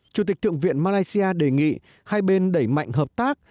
chủ tịch thượng viện malaysia đề nghị hai bên đẩy mạnh hợp tác